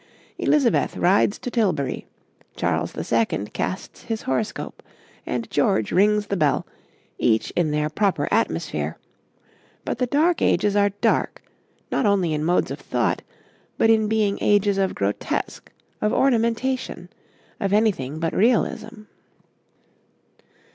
Elizabeth rides to Tilbury, Charles II. casts his horoscope, and George rings the bell, each in their proper atmosphere, but the Dark Ages are dark, not only in modes of thought, but in being ages of grotesque, of ornamentation, of anything but realism.